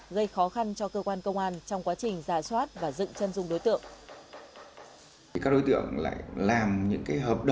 gây khó khăn cho cơ quan công an trong quá trình giả soát và dựng chân dung đối tượng